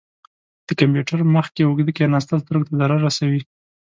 د کمپیوټر مخ کې اوږده کښیناستل سترګو ته ضرر رسوي.